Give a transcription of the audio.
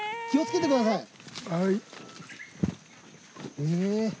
気を付けてください。